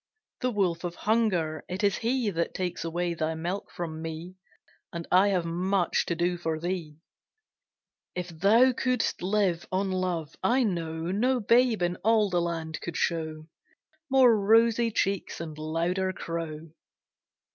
The wolf of Hunger, it is he That takes away thy milk from me, And I have much to do for thee. If thou couldst live on love, I know No babe in all the land could show More rosy cheeks and louder crow.